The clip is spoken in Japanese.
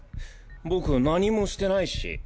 僕何もしてないし。